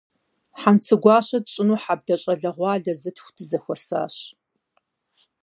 Хьэнцэгуащэ тщӏыну хьэблэ щӏалэгъуалэ зытхух дызэхуэсащ.